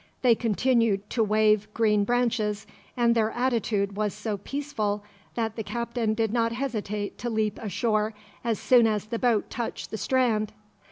They continued to wave green branches, and their attitude was so peaceful that the captain did not hesitate to leap ashore, as soon as the boat touched the strand.